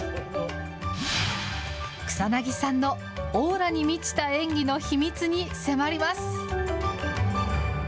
草なぎさんのオーラに満ちた演技の秘密に迫ります。